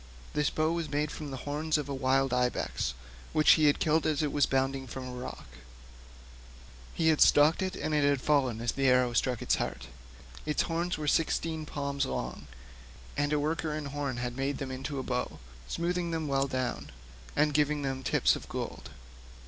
This bow was made from the horns of a wild ibex which he had killed as it was bounding from a rock; he had stalked it, and it had fallen as the arrow struck it to the heart. Its horns were sixteen palms long, and a worker in horn had made them into a bow, smoothing them well down, and giving them tips of gold.